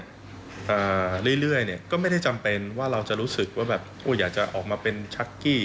อ่าเรื่อยเรื่อยเนี้ยก็ไม่ได้จำเป็นว่าเราจะรู้สึกว่าแบบโอ้อยากจะออกมาเป็นชักกี้